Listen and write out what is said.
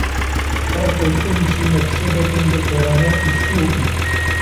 فرط الأنس مكسبة لقرناء السوء